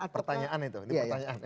pertanyaan itu ini pertanyaan